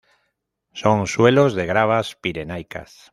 Son suelos de gravas pirenaicas.